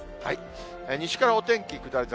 西からお天気下り坂。